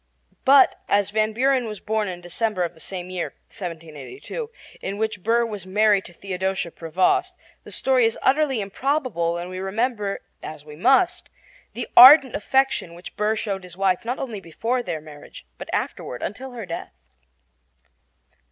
But, as Van Buren was born in December of the same year (1782) in which Burr was married to Theodosia Prevost, the story is utterly improbable when we remember, as we must, the ardent affection which Burr showed his wife, not only before their marriage, but afterward until her death.